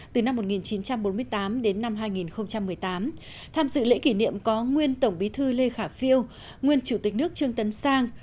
từ năm một nghìn chín trăm bốn mươi tám đến năm hai nghìn một mươi tám tham dự lễ kỷ niệm có nguyên tổng bí thư lê khả phiêu nguyên chủ tịch nước trương tấn sang